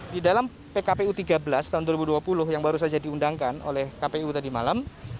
di dalam pkpu tiga belas tahun dua ribu dua puluh yang baru saja diundangkan oleh kpu tadi malam